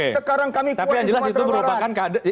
sekarang kami ke sumatera barat